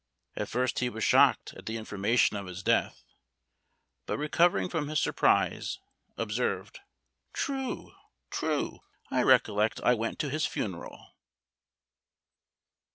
At first he was shocked at the information of his death; but recovering from his surprise, observed "True! true! I recollect I went to his funeral."